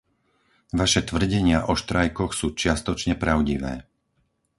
Vaše tvrdenia o štrajkoch sú čiastočne pravdivé.